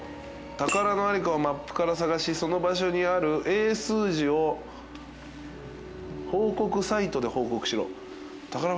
「宝の在りかをマップから探しその場所にある英数字を報告サイトで報告しろ」